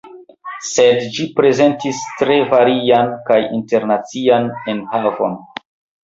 Sed ĝi prezentis tre varian kaj internacian enhavon.